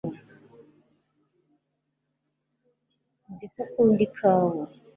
nzi ko ukunda ikawa